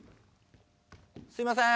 すいません。